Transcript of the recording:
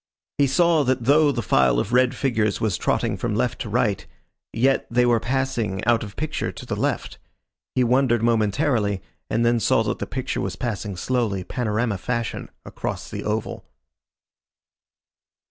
He saw that though the file of red figures was trotting from left to right, yet they were passing out of the picture to the left. He wondered momentarily, and then saw that the picture was passing slowly, panorama fashion, across the oval.